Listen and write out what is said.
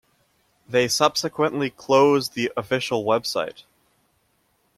They subsequently closed the official website.